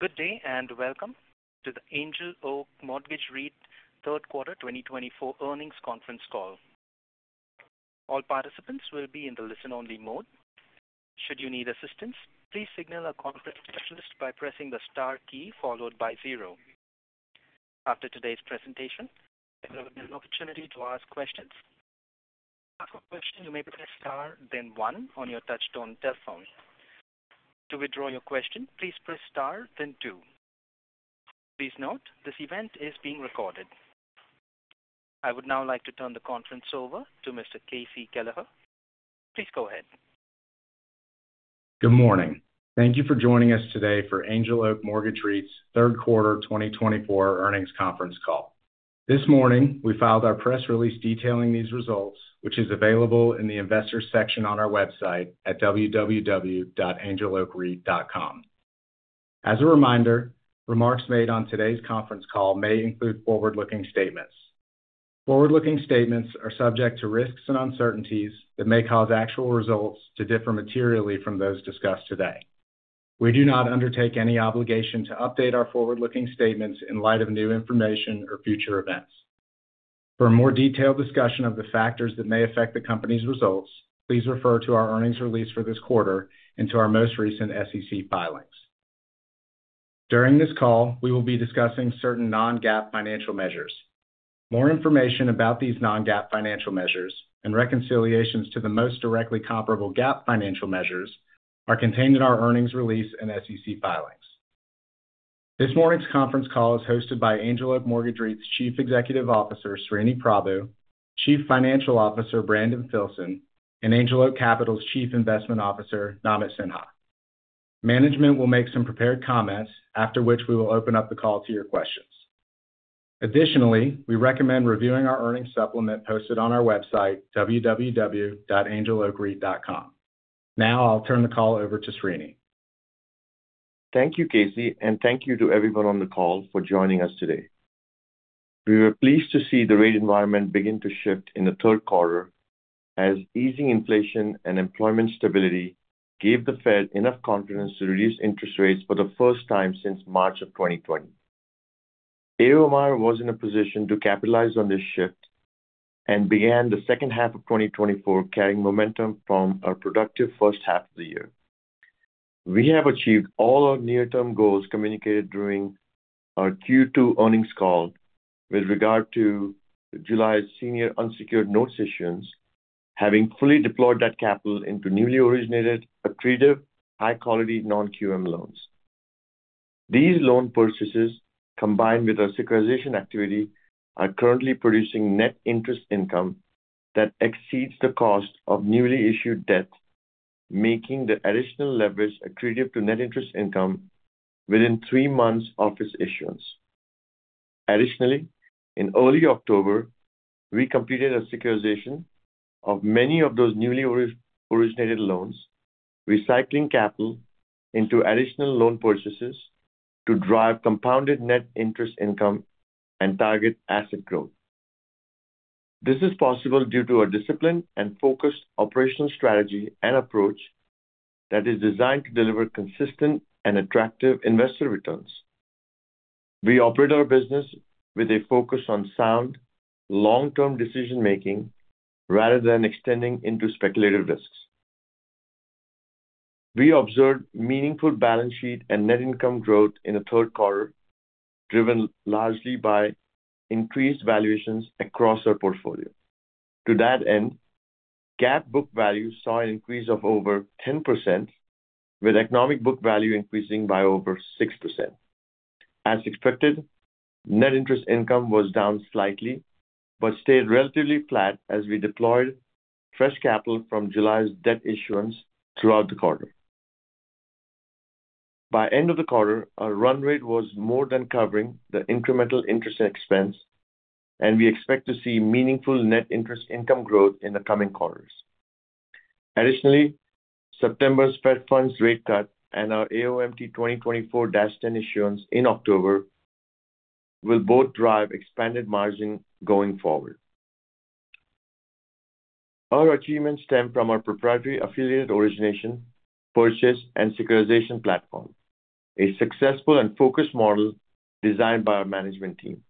Good day and welcome to the Angel Oak Mortgage REIT Third Quarter 2024 Earnings Conference Call. All participants will be in the listen-only mode. Should you need assistance, please signal a contact specialist by pressing the star key followed by zero. After today's presentation, there will be an opportunity to ask questions. If you have a question, you may press star then one on your touch-tone telephone. To withdraw your question, please press star then two. Please note, this event is being recorded. I would now like to turn the conference over to Mr. K.C. Kelleher. Please go ahead. Good morning. Thank you for joining us today for Angel Oak Mortgage REIT's Third Quarter 2024 Earnings Conference Call. This morning, we filed our press release detailing these results, which is available in the investor section on our website at www.angeloakreit.com. As a reminder, remarks made on today's conference call may include forward-looking statements. Forward-looking statements are subject to risks and uncertainties that may cause actual results to differ materially from those discussed today. We do not undertake any obligation to update our forward-looking statements in light of new information or future events. For a more detailed discussion of the factors that may affect the company's results, please refer to our earnings release for this quarter and to our most recent SEC filings. During this call, we will be discussing certain non-GAAP financial measures. More information about these non-GAAP financial measures and reconciliations to the most directly comparable GAAP financial measures are contained in our earnings release and SEC filings. This morning's conference call is hosted by Angel Oak Mortgage REIT's Chief Executive Officer Sreeni Prabhu, Chief Financial Officer Brandon Filson, and Angel Oak Capital's Chief Investment Officer Namit Sinha. Management will make some prepared comments, after which we will open up the call to your questions. Additionally, we recommend reviewing our earnings supplement posted on our website www.angeloakreit.com. Now I'll turn the call over to Sreeni. Thank you, K.C., and thank you to everyone on the call for joining us today. We were pleased to see the rate environment begin to shift in the third quarter as easing inflation and employment stability gave the Fed enough confidence to reduce interest rates for the first time since March of 2020. AOMR was in a position to capitalize on this shift and began the second half of 2024 carrying momentum from our productive first half of the year. We have achieved all our near-term goals communicated during our Q2 earnings call with regard to July's senior unsecured note issuances, having fully deployed that capital into newly originated, attractive, high-quality non-QM loans. These loan purchases, combined with our securitization activity, are currently producing net interest income that exceeds the cost of newly issued debt, making the additional leverage attractive to net interest income within three months of its issuance. Additionally, in early October, we completed a securitization of many of those newly originated loans, recycling capital into additional loan purchases to drive compounded net interest income and target asset growth. This is possible due to our disciplined and focused operational strategy and approach that is designed to deliver consistent and attractive investor returns. We operate our business with a focus on sound, long-term decision-making rather than extending into speculative risks. We observed meaningful balance sheet and net income growth in the third quarter, driven largely by increased valuations across our portfolio. To that end, GAAP book value saw an increase of over 10%, with economic book value increasing by over 6%. As expected, net interest income was down slightly but stayed relatively flat as we deployed fresh capital from July's debt issuance throughout the quarter. By the end of the quarter, our run rate was more than covering the incremental interest expense, and we expect to see meaningful net interest income growth in the coming quarters. Additionally, September's Fed Funds rate cut and our AOMT 2024-10 issuance in October will both drive expanded margin going forward. Our achievements stem from our proprietary affiliate origination, purchase, and securitization platform, a successful and focused model designed by our management team.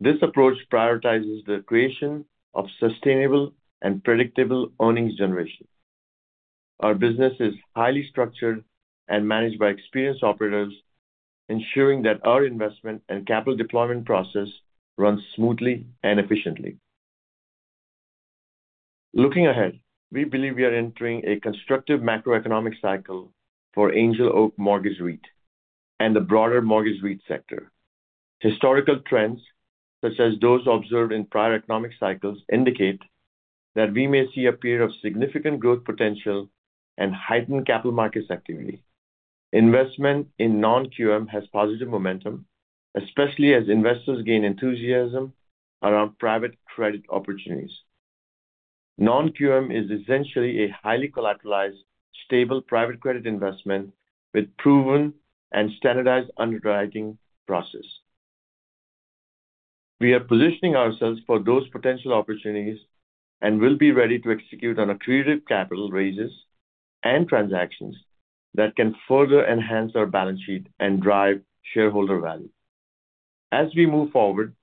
This approach prioritizes the creation of sustainable and predictable earnings generation. Our business is highly structured and managed by experienced operators, ensuring that our investment and capital deployment process runs smoothly and efficiently. Looking ahead, we believe we are entering a constructive macroeconomic cycle for Angel Oak Mortgage REIT and the broader mortgage REIT sector. Historical trends, such as those observed in prior economic cycles, indicate that we may see a period of significant growth potential and heightened capital markets activity. Investment in non-QM has positive momentum, especially as investors gain enthusiasm around private credit opportunities. Non-QM is essentially a highly collateralized, stable private credit investment with proven and standardized underwriting process. We are positioning ourselves for those potential opportunities and will be ready to execute on accretive capital raises and transactions that can further enhance our balance sheet and drive shareholder value. As we move forward,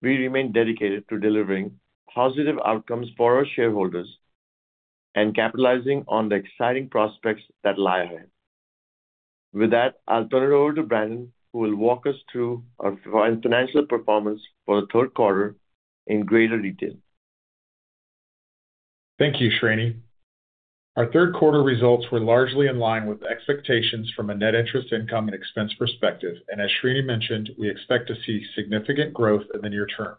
we remain dedicated to delivering positive outcomes for our shareholders and capitalizing on the exciting prospects that lie ahead. With that, I'll turn it over to Brandon, who will walk us through our financial performance for the third quarter in greater detail. Thank you, Sreeni. Our third quarter results were largely in line with expectations from a net interest income and expense perspective, and as Sreeni mentioned, we expect to see significant growth in the near term.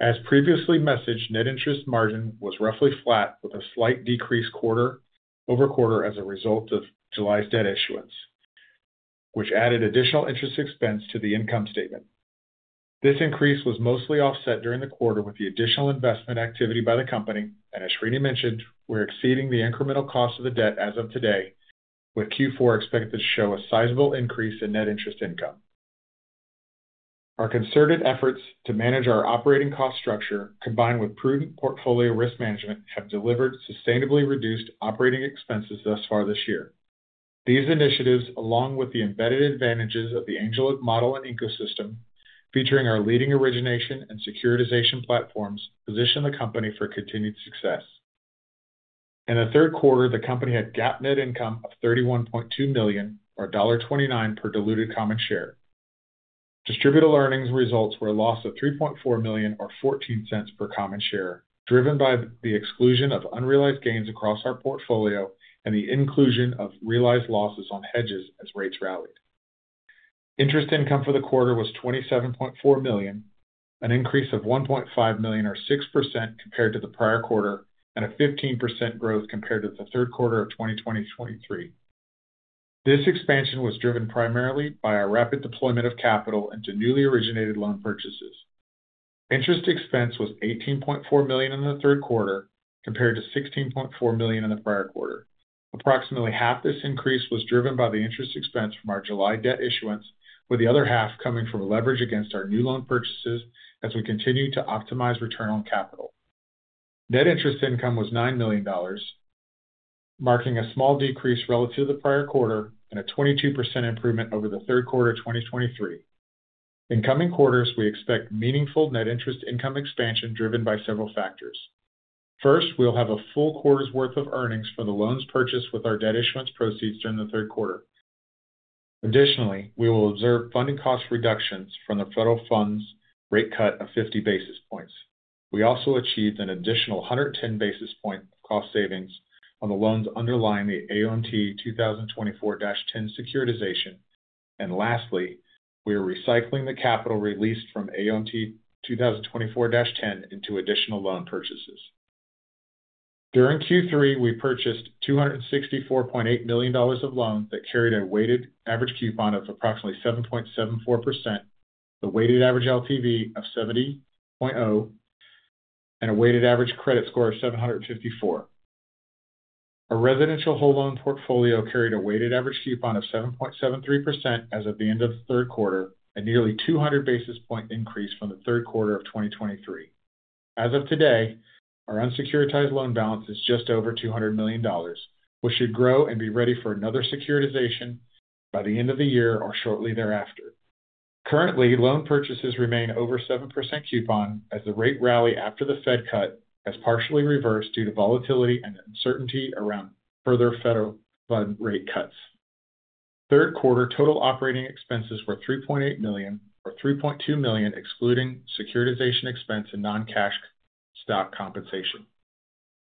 As previously messaged, net interest margin was roughly flat with a slight decrease quarter-over-quarter as a result of July's debt issuance, which added additional interest expense to the income statement. This increase was mostly offset during the quarter with the additional investment activity by the company, and as Sreeni mentioned, we're exceeding the incremental cost of the debt as of today, with Q4 expected to show a sizable increase in net interest income. Our concerted efforts to manage our operating cost structure, combined with prudent portfolio risk management, have delivered sustainably reduced operating expenses thus far this year. These initiatives, along with the embedded advantages of the Angel Oak model and ecosystem featuring our leading origination and securitization platforms, position the company for continued success. In the third quarter, the company had GAAP net income of $31.2 million, or $1.29 per diluted common share. Distributable earnings results were a loss of $3.4 million, or $0.14 per common share, driven by the exclusion of unrealized gains across our portfolio and the inclusion of realized losses on hedges as rates rallied. Interest income for the quarter was $27.4 million, an increase of $1.5 million, or 6% compared to the prior quarter, and a 15% growth compared to the third quarter of 2023. This expansion was driven primarily by our rapid deployment of capital into newly originated loan purchases. Interest expense was $18.4 million in the third quarter compared to $16.4 million in the prior quarter. Approximately half this increase was driven by the interest expense from our July debt issuance, with the other half coming from leverage against our new loan purchases as we continue to optimize return on capital. Net interest income was $9 million, marking a small decrease relative to the prior quarter and a 22% improvement over the third quarter of 2023. In coming quarters, we expect meaningful net interest income expansion driven by several factors. First, we'll have a full quarter's worth of earnings for the loans purchased with our debt issuance proceeds during the third quarter. Additionally, we will observe funding cost reductions from the federal funds rate cut of 50 basis points. We also achieved an additional 110 basis point cost savings on the loans underlying the AOMT 2024-10 securitization. And lastly, we are recycling the capital released from AOMT 2024-10 into additional loan purchases. During Q3, we purchased $264.8 million of loans that carried a weighted average coupon of approximately 7.74%, a weighted average LTV of 70.0, and a weighted average credit score of 754. Our residential whole loan portfolio carried a weighted average coupon of 7.73% as of the end of the third quarter, a nearly 200 basis point increase from the third quarter of 2023. As of today, our unsecuritized loan balance is just over $200 million, which should grow and be ready for another securitization by the end of the year or shortly thereafter. Currently, loan purchases remain over 7% coupon as the rate rally after the Fed cut has partially reversed due to volatility and uncertainty around further federal funds rate cuts. Third quarter total operating expenses were $3.8 million, or $3.2 million excluding securitization expense and non-cash stock compensation.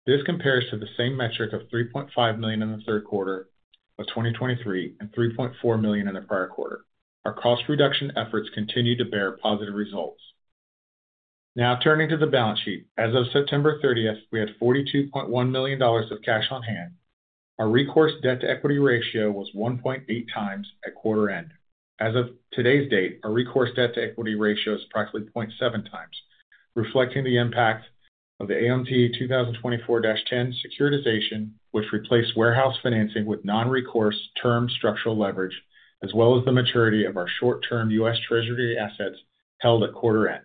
This compares to the same metric of $3.5 million in the third quarter of 2023 and $3.4 million in the prior quarter. Our cost reduction efforts continue to bear positive results. Now turning to the balance sheet, as of September 30th, we had $42.1 million of cash on hand. Our recourse debt to equity ratio was 1.8x at quarter end. As of today's date, our recourse debt to equity ratio is approximately 0.7x, reflecting the impact of the AOMT 2024-10 securitization, which replaced warehouse financing with non-recourse term structural leverage, as well as the maturity of our short-term U.S. Treasury assets held at quarter end.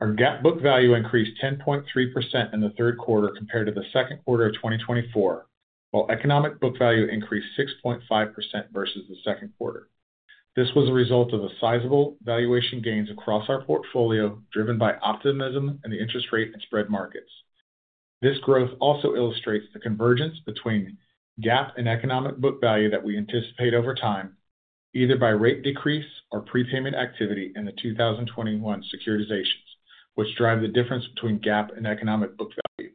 Our GAAP book value increased 10.3% in the third quarter compared to the second quarter of 2024, while economic book value increased 6.5% versus the second quarter. This was a result of the sizable valuation gains across our portfolio, driven by optimism in the interest rate and spread markets. This growth also illustrates the convergence between GAAP and economic book value that we anticipate over time, either by rate decrease or prepayment activity in the 2021 securitizations, which drive the difference between GAAP and economic book value.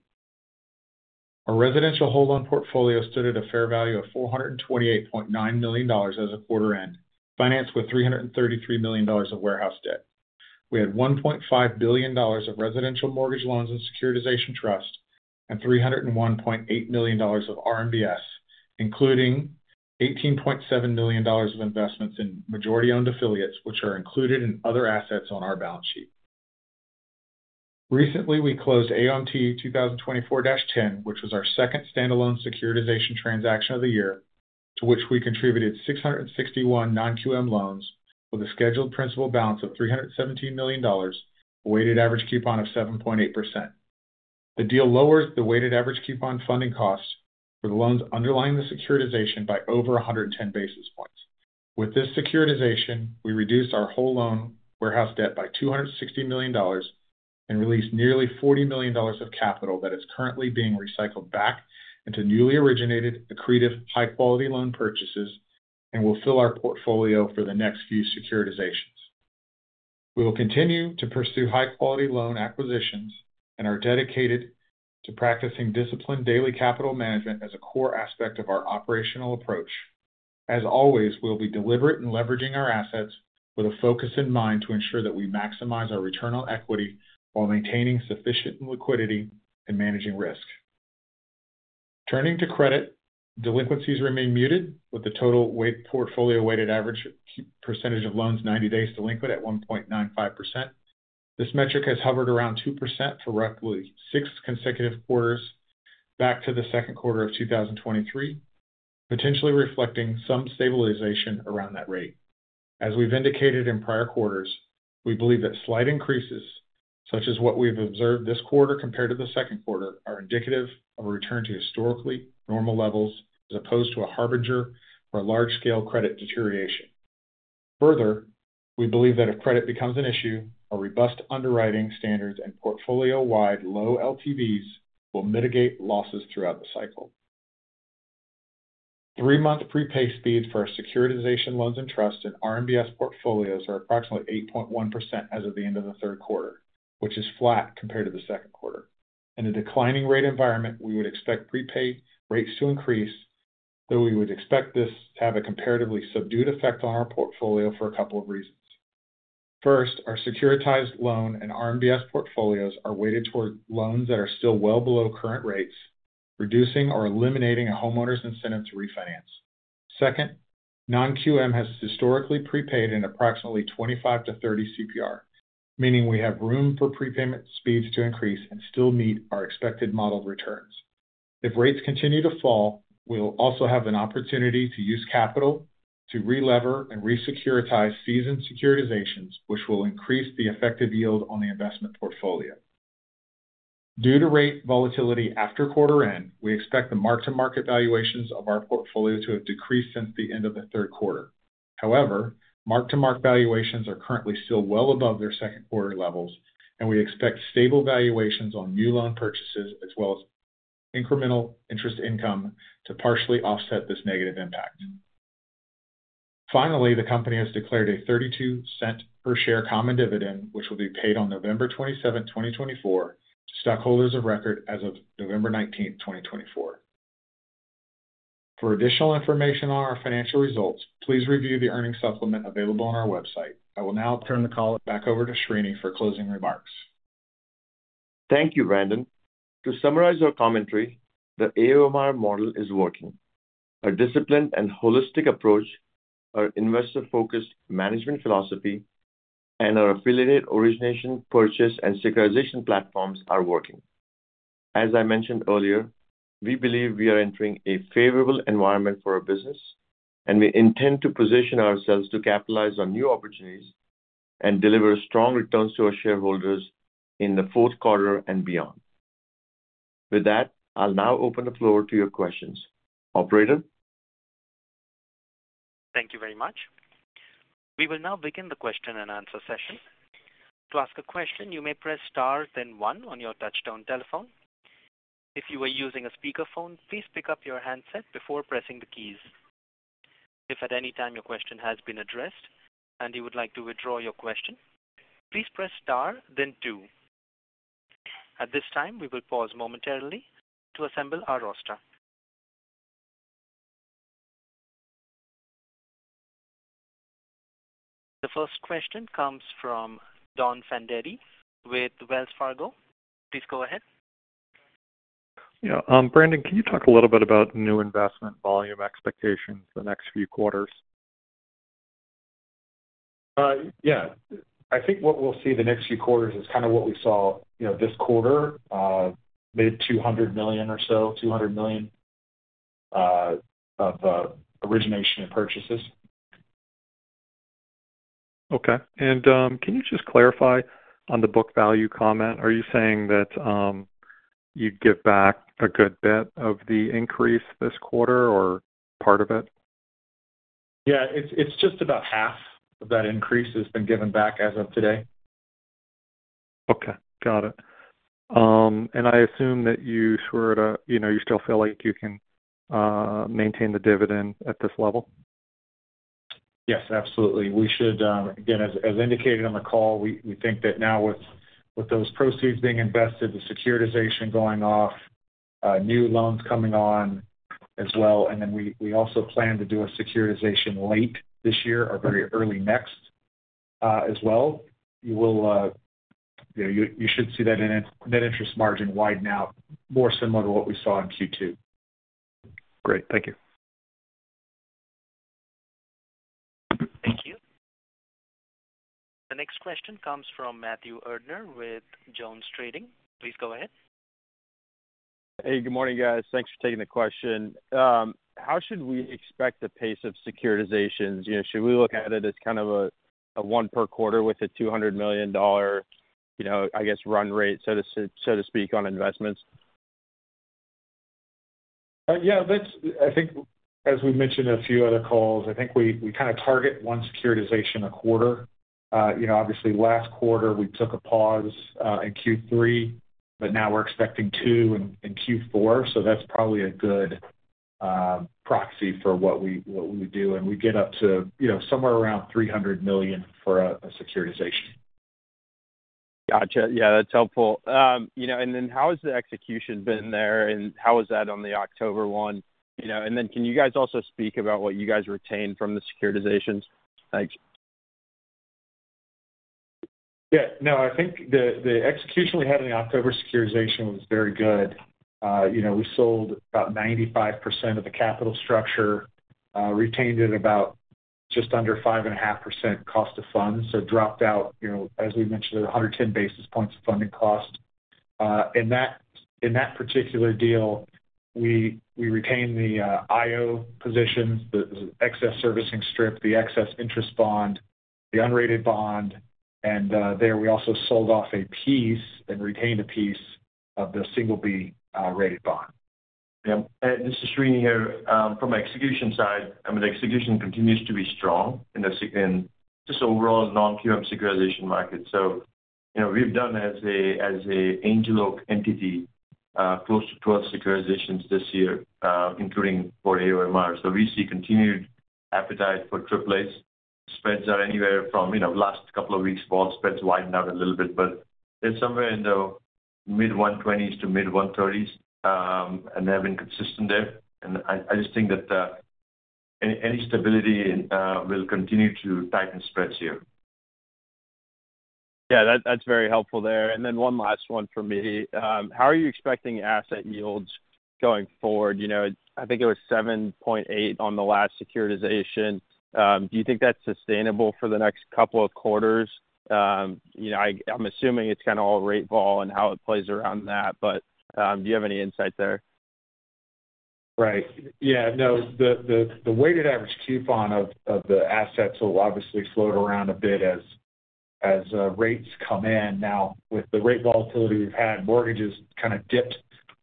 Our residential whole loan portfolio stood at a fair value of $428.9 million as of quarter end, financed with $333 million of warehouse debt. We had $1.5 billion of residential mortgage loans and securitization trusts and $301.8 million of RMBS, including $18.7 million of investments in majority-owned affiliates, which are included in other assets on our balance sheet. Recently, we closed AOMT 2024-10, which was our second standalone securitization transaction of the year, to which we contributed 661 non-QM loans with a scheduled principal balance of $317 million, a weighted average coupon of 7.8%. The deal lowers the weighted average coupon funding cost for the loans underlying the securitization by over 110 basis points. With this securitization, we reduced our whole loan warehouse debt by $260 million and released nearly $40 million of capital that is currently being recycled back into newly originated, accretive, high-quality loan purchases and will fill our portfolio for the next few securitizations. We will continue to pursue high-quality loan acquisitions and are dedicated to practicing disciplined daily capital management as a core aspect of our operational approach. As always, we'll be deliberate in leveraging our assets with a focus in mind to ensure that we maximize our return on equity while maintaining sufficient liquidity and managing risk. Turning to credit, delinquencies remain muted, with the total portfolio weighted average percentage of loans 90 days delinquent at 1.95%. This metric has hovered around 2% for roughly six consecutive quarters back to the second quarter of 2023, potentially reflecting some stabilization around that rate. As we've indicated in prior quarters, we believe that slight increases, such as what we've observed this quarter compared to the second quarter, are indicative of a return to historically normal levels as opposed to a harbinger for a large-scale credit deterioration. Further, we believe that if credit becomes an issue, our robust underwriting standards and portfolio-wide low LTVs will mitigate losses throughout the cycle. Three-month prepay speeds for our securitization loans and trusts and RMBS portfolios are approximately 8.1% as of the end of the third quarter, which is flat compared to the second quarter. In a declining rate environment, we would expect prepay rates to increase, though we would expect this to have a comparatively subdued effect on our portfolio for a couple of reasons. First, our securitized loan and RMBS portfolios are weighted toward loans that are still well below current rates, reducing or eliminating a homeowner's incentive to refinance. Second, non-QM has historically prepaid in approximately 25%-30% CPR, meaning we have room for prepayment speeds to increase and still meet our expected model returns. If rates continue to fall, we'll also have an opportunity to use capital to re-lever and resecuritize seasoned securitizations, which will increase the effective yield on the investment portfolio. Due to rate volatility after quarter end, we expect the mark-to-market valuations of our portfolio to have decreased since the end of the third quarter. However, mark-to-market valuations are currently still well above their second quarter levels, and we expect stable valuations on new loan purchases as well as incremental interest income to partially offset this negative impact. Finally, the company has declared a $0.32 per share common dividend, which will be paid on November 27, 2024, to stockholders of record as of November 19, 2024. For additional information on our financial results, please review the earnings supplement available on our website. I will now turn the call back over to Sreeni for closing remarks. Thank you, Brandon. To summarize our commentary, the AOMR model is working. Our disciplined and holistic approach, our investor-focused management philosophy, and our affiliate origination, purchase, and securitization platforms are working. As I mentioned earlier, we believe we are entering a favorable environment for our business, and we intend to position ourselves to capitalize on new opportunities and deliver strong returns to our shareholders in the fourth quarter and beyond. With that, I'll now open the floor to your questions. Operator. Thank you very much. We will now begin the question and answer session. To ask a question, you may press star, then one on your touch-tone telephone. If you are using a speakerphone, please pick up your handset before pressing the keys. If at any time your question has been addressed and you would like to withdraw your question, please press star, then two. At this time, we will pause momentarily to assemble our roster. The first question comes from Don Fandetti with Wells Fargo. Please go ahead. Yeah. Brandon, can you talk a little bit about new investment volume expectations the next few quarters? Yeah. I think what we'll see the next few quarters is kind of what we saw this quarter, maybe $200 million or so, $200 million of origination and purchases. Okay. And can you just clarify on the book value comment? Are you saying that you'd give back a good bit of the increase this quarter or part of it? Yeah. It's just about half of that increase has been given back as of today. Okay. Got it, and I assume that you sort of, you still feel like you can maintain the dividend at this level? Yes, absolutely. We should, again, as indicated on the call, we think that now with those proceeds being invested, the securitization going off, new loans coming on as well, and then we also plan to do a securitization late this year or very early next as well. You should see that net interest margin widen out more similar to what we saw in Q2. Great. Thank you. Thank you. The next question comes from Matthew Erdner with JonesTrading. Please go ahead. Hey, good morning, guys. Thanks for taking the question. How should we expect the pace of securitizations? Should we look at it as kind of a one per quarter with a $200 million, I guess, run rate, so to speak, on investments? Yeah. I think, as we mentioned in a few other calls, I think we kind of target one securitization a quarter. Obviously, last quarter, we took a pause in Q3, but now we're expecting two in Q4, so that's probably a good proxy for what we do, and we get up to somewhere around $300 million for a securitization. Gotcha. Yeah, that's helpful. And then how has the execution been there? And how was that on the October one? And then can you guys also speak about what you guys retained from the securitizations? Thanks. Yeah. Now, I think the execution we had in the October securitization was very good. We sold about 95% of the capital structure, retained it about just under 5.5% cost of funds, so dropped out, as we mentioned, at 110 basis points of funding cost. In that particular deal, we retained the IO positions, the excess servicing strip, the excess interest bond, the unrated bond and there, we also sold off a piece and retained a piece of the single B-rated bond. Yeah. And this is Sreeni here from the execution side. I mean, the execution continues to be strong in just overall non-QM securitization market. So we've done, as an Angel entity, close to 12 securitizations this year, including for AOMR. So we see continued appetite for AAA's. Spreads are anywhere from last couple of weeks. Whole spreads widened out a little bit, but they're somewhere in the mid-120s to mid-130s, and they have been consistent there. And I just think that any stability will continue to tighten spreads here. Yeah, that's very helpful there. And then one last one for me. How are you expecting asset yields going forward? I think it was 7.8% on the last securitization. Do you think that's sustainable for the next couple of quarters? I'm assuming it's kind of all rate vol and how it plays around that, but do you have any insight there? Right. Yeah. No, the weighted average coupon of the assets will obviously float around a bit as rates come in. Now, with the rate volatility we've had, mortgages kind of dipped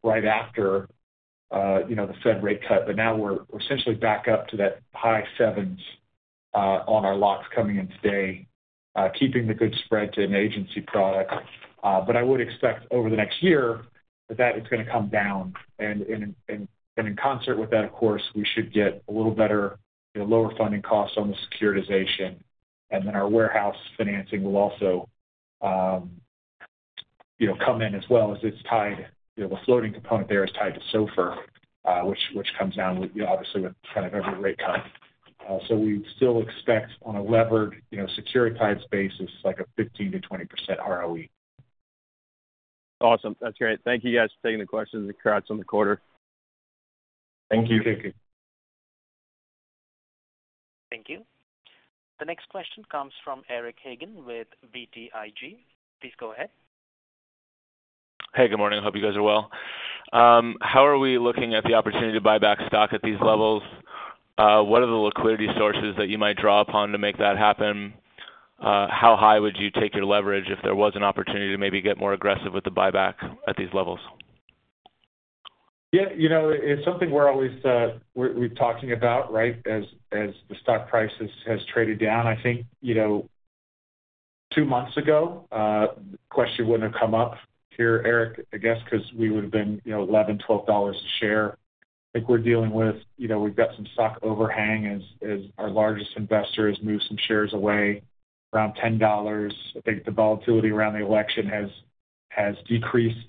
right after the Fed rate cut, but now we're essentially back up to that high sevens on our loans coming in today, keeping the good spread to an agency product. But I would expect over the next year that that is going to come down. And in concert with that, of course, we should get a little better, lower funding costs on the securitization. And then our warehouse financing will also come in as well as it's tied. The floating component there is tied to SOFR, which comes down, obviously, with kind of every rate cut. So we still expect on a levered securitized basis, like a 15%-20% ROE. Awesome. That's great. Thank you, guys, for taking the questions and color on the quarter. Thank you. Thank you. Thank you. The next question comes from Eric Hagen with BTIG. Please go ahead. Hey, good morning. I hope you guys are well. How are we looking at the opportunity to buy back stock at these levels? What are the liquidity sources that you might draw upon to make that happen? How high would you take your leverage if there was an opportunity to maybe get more aggressive with the buyback at these levels? Yeah. It's something we're always talking about, right, as the stock price has traded down. I think two months ago, the question wouldn't have come up here, Eric, I guess, because we would have been $11-$12 a share. I think we're dealing with we've got some stock overhang as our largest investors move some shares away around $10. I think the volatility around the election has decreased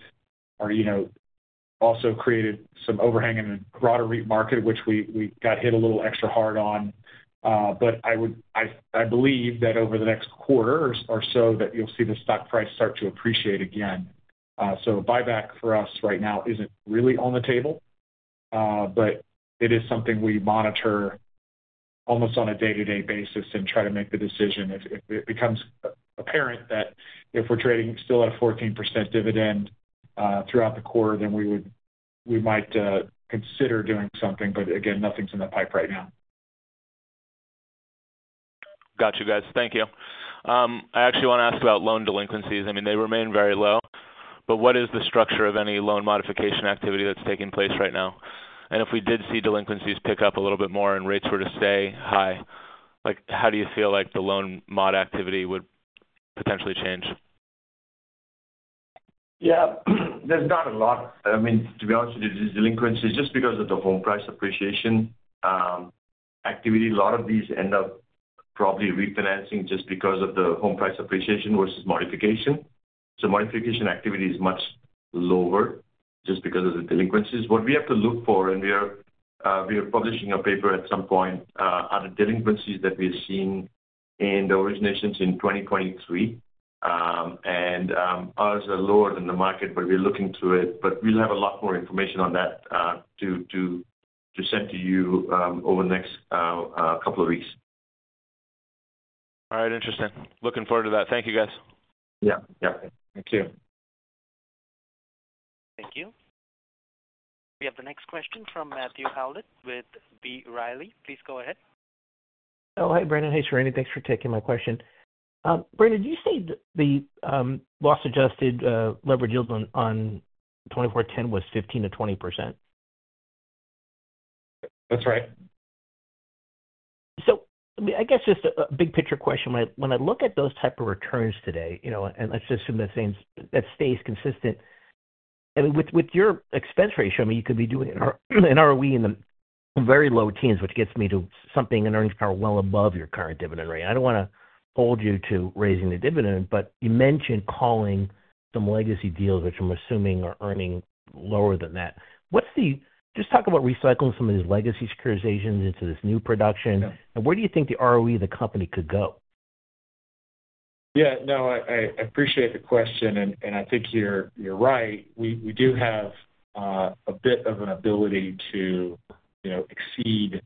or also created some overhang in the broader market, which we got hit a little extra hard on. But I believe that over the next quarter or so, that you'll see the stock price start to appreciate again. So buyback for us right now isn't really on the table, but it is something we monitor almost on a day-to-day basis and try to make the decision. If it becomes apparent that if we're trading still at a 14% dividend throughout the quarter, then we might consider doing something. But again, nothing's in the pipeline right now. Gotcha, guys. Thank you. I actually want to ask about loan delinquencies. I mean, they remain very low, but what is the structure of any loan modification activity that's taking place right now? And if we did see delinquencies pick up a little bit more and rates were to stay high, how do you feel like the loan mod activity would potentially change? Yeah. There's not a lot. I mean, to be honest with you, there's delinquencies just because of the home price appreciation activity. A lot of these end up probably refinancing just because of the home price appreciation versus modification. So modification activity is much lower just because of the delinquencies. What we have to look for, and we are publishing a paper at some point, are the delinquencies that we have seen in the originations in 2023, and ours are lower than the market, but we're looking through it, but we'll have a lot more information on that to send to you over the next couple of weeks. All right. Interesting. Looking forward to that. Thank you, guys. Yeah. Yeah. Thank you. Thank you. We have the next question from Matt Howlett with B. Riley. Please go ahead. Oh, hey, Brandon. Hey, Sreeni. Thanks for taking my question. Brandon, did you say the loss-adjusted leverage yield on 2024 was 15%-20%? That's right. So I mean, I guess just a big picture question. When I look at those type of returns today, and let's assume that stays consistent, I mean, with your expense ratio, I mean, you could be doing an ROE in the very low teens, which gets me to something in earnings power well above your current dividend rate. I don't want to hold you to raising the dividend, but you mentioned calling some legacy deals, which I'm assuming are earning lower than that. Just talk about recycling some of these legacy securitizations into this new production. And where do you think the ROE of the company could go? Yeah. No, I appreciate the question. And I think you're right. We do have a bit of an ability to exceed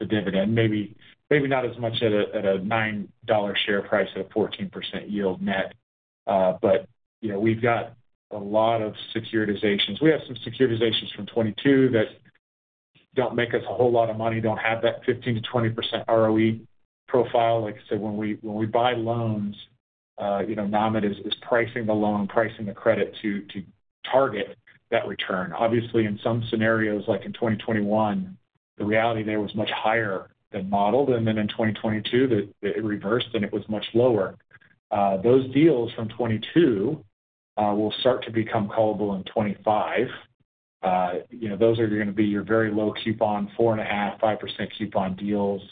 the dividend. Maybe not as much at a $9 share price at a 14% yield net. But we've got a lot of securitizations. We have some securitizations from 2022 that don't make us a whole lot of money, don't have that 15%-20% ROE profile. Like I said, when we buy loans, Namit is pricing the loan, pricing the credit to target that return. Obviously, in some scenarios, like in 2021, the reality there was much higher than modeled. And then in 2022, it reversed and it was much lower. Those deals from 2022 will start to become callable in 2025. Those are going to be your very low coupon, 4.5%-5% coupon deals.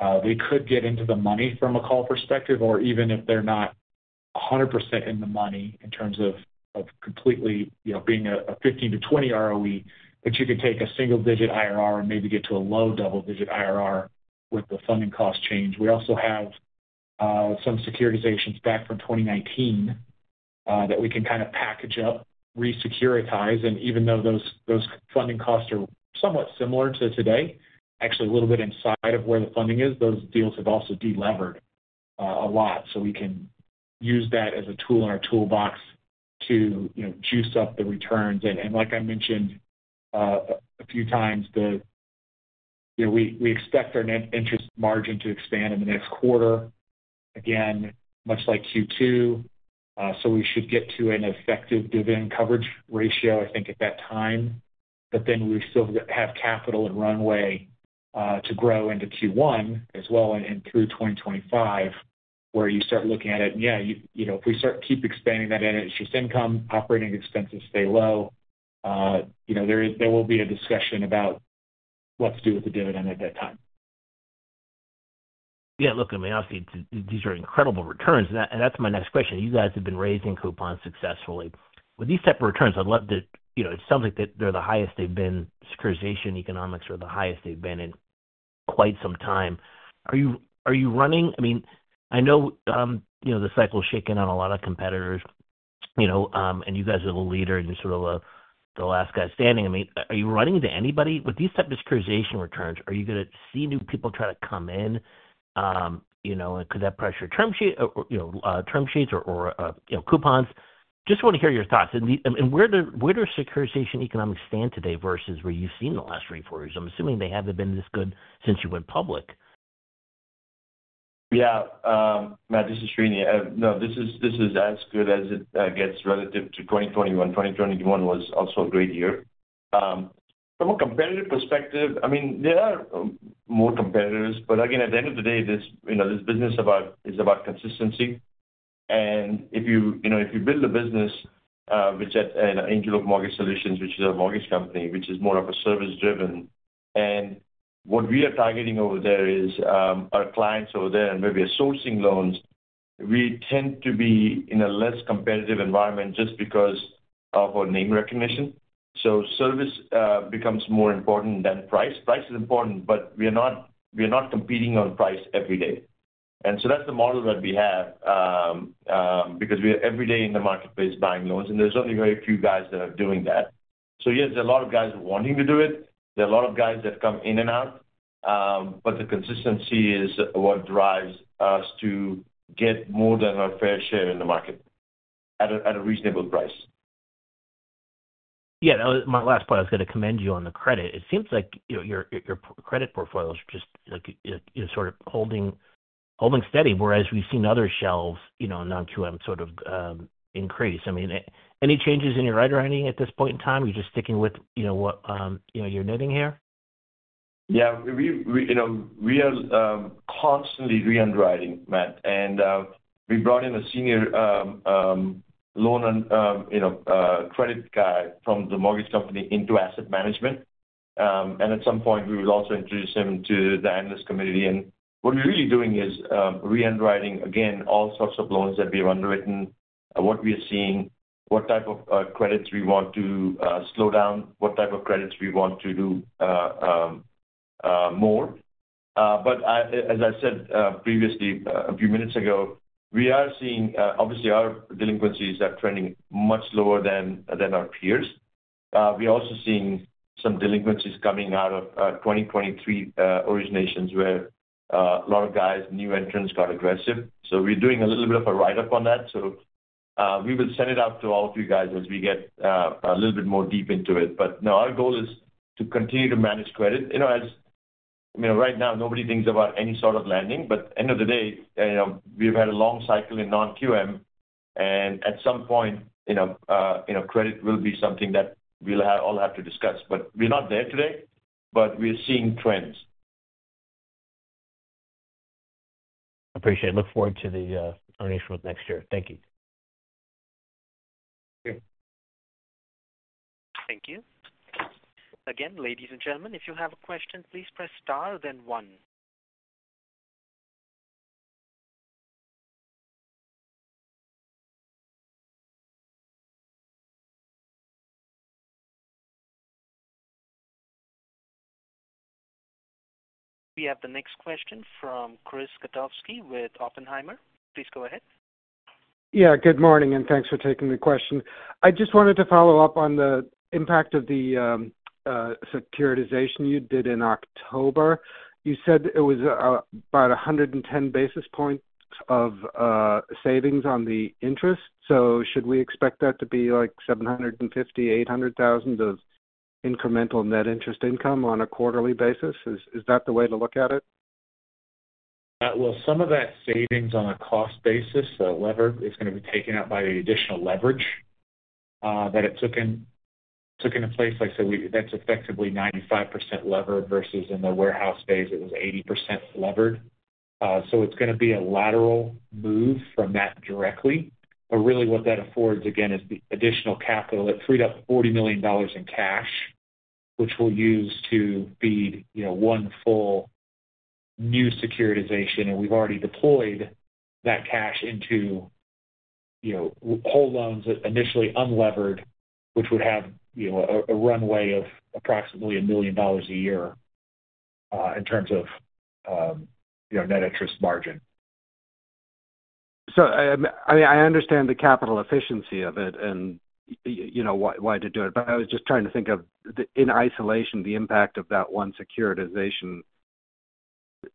They could get into the money from a call perspective, or even if they're not 100% in the money in terms of completely being a 15%-20% ROE, but you can take a single-digit IRR and maybe get to a low double-digit IRR with the funding cost change. We also have some securitizations back from 2019 that we can kind of package up, resecuritize. And even though those funding costs are somewhat similar to today, actually a little bit inside of where the funding is, those deals have also delevered a lot. So we can use that as a tool in our toolbox to juice up the returns. And like I mentioned a few times, we expect our net interest margin to expand in the next quarter, again, much like Q2. So we should get to an effective dividend coverage ratio, I think, at that time. But then we still have capital and runway to grow into Q1 as well and through 2025, where you start looking at it. And yeah, if we keep expanding that interest income, operating expenses stay low, there will be a discussion about what to do with the dividend at that time. Yeah. Look, I mean, obviously, these are incredible returns, and that's my next question. You guys have been raising coupons successfully. With these type of returns, I'd love to. It sounds like they're the highest they've been. Securitization economics are the highest they've been in quite some time. I mean, I know the cycle's shaken out a lot of competitors, and you guys are the leader and sort of the last guy standing. I mean, are you running into anybody with these type of securitization returns? Are you going to see new people try to come in? Could that pressure term sheets or coupons? Just want to hear your thoughts, and where does securitization economics stand today versus where you've seen the last three quarters? I'm assuming they haven't been this good since you went public. Yeah. Matt, this is Sreeni. No, this is as good as it gets relative to 2021. 2021 was also a great year. From a competitive perspective, I mean, there are more competitors. But again, at the end of the day, this business is about consistency. And if you build a business, which at Angel Oak Mortgage Solutions, which is a mortgage company, which is more of a service-driven, and what we are targeting over there is our clients over there and maybe a sourcing loans, we tend to be in a less competitive environment just because of our name recognition. So service becomes more important than price. Price is important, but we are not competing on price every day. And so that's the model that we have because we are every day in the marketplace buying loans. And there's only very few guys that are doing that. So yes, there are a lot of guys wanting to do it. There are a lot of guys that come in and out. But the consistency is what drives us to get more than our fair share in the market at a reasonable price. Yeah. My last point, I was going to commend you on the credit. It seems like your credit portfolio is just sort of holding steady, whereas we've seen other shelves, non-QM, sort of increase. I mean, any changes in your underwriting at this point in time? Are you just sticking to your knitting here? Yeah. We are constantly rewriting, Matt, and we brought in a senior loan credit guy from the mortgage company into asset management, and at some point, we will also introduce him to the analyst community. What we're really doing is rewriting, again, all sorts of loans that we have underwritten, what we are seeing, what type of credits we want to slow down, what type of credits we want to do more. As I said previously, a few minutes ago, we are seeing, obviously, our delinquencies are trending much lower than our peers. We are also seeing some delinquencies coming out of 2023 originations where a lot of guys, new entrants, got aggressive. We're doing a little bit of a write-up on that. We will send it out to all of you guys as we get a little bit more deep into it. But no, our goal is to continue to manage credit. I mean, right now, nobody thinks about any sort of landing. But at the end of the day, we've had a long cycle in non-QM. And at some point, credit will be something that we'll all have to discuss. But we're not there today, but we're seeing trends. Appreciate it. Look forward to the earnings for next year. Thank you. Thank you. Again, ladies and gentlemen, if you have a question, please press star, then one. We have the next question from Chris Kotowski with Oppenheimer. Please go ahead. Yeah. Good morning, and thanks for taking the question. I just wanted to follow up on the impact of the securitization you did in October. You said it was about 110 basis points of savings on the interest. So should we expect that to be like $750,000-$800,000 of incremental net interest income on a quarterly basis? Is that the way to look at it? Some of that savings on a cost basis, the lever, is going to be taken out by the additional leverage that it took into place. Like I said, that's effectively 95% levered versus in the warehouse phase, it was 80% levered. So it's going to be a lateral move from that directly. But really, what that affords, again, is the additional capital. It freed up $40 million in cash, which we'll use to feed one full new securitization. And we've already deployed that cash into whole loans initially unlevered, which would have a runway of approximately $1 million a year in terms of net interest margin. So I mean, I understand the capital efficiency of it and why to do it. But I was just trying to think of, in isolation, the impact of that one securitization.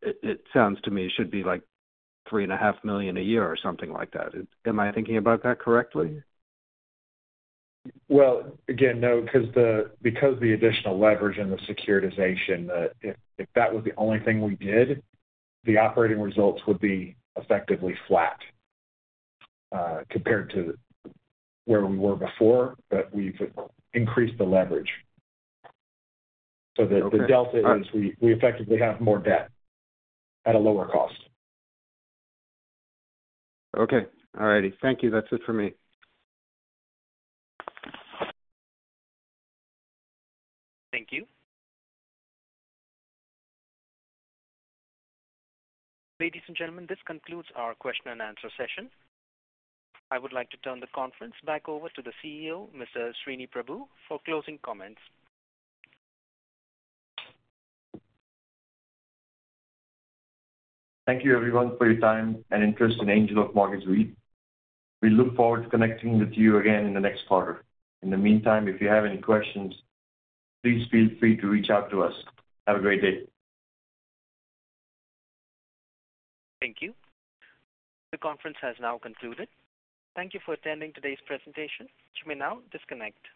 It sounds to me should be like $3.5 million a year or something like that. Am I thinking about that correctly? Again, no, because the additional leverage and the securitization, if that was the only thing we did, the operating results would be effectively flat compared to where we were before. But we've increased the leverage. So the delta is we effectively have more debt at a lower cost. Okay. All righty. Thank you. That's it for me. Thank you. Ladies and gentlemen, this concludes our question and answer session. I would like to turn the conference back over to the CEO, Mr. Sreeni Prabhu, for closing comments. Thank you, everyone, for your time and interest in Angel Oak Mortgage REIT. We look forward to connecting with you again in the next quarter. In the meantime, if you have any questions, please feel free to reach out to us. Have a great day. Thank you. The conference has now concluded. Thank you for attending today's presentation. You may now disconnect.